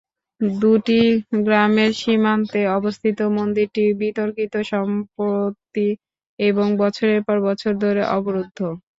দুটি গ্রামের সীমান্তে অবস্থিত মন্দিরটি বিতর্কিত সম্পত্তি এবং বছরের পর বছর ধরে অবরুদ্ধ।